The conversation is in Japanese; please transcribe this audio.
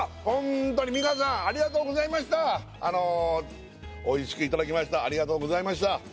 ホントにおいしくいただきました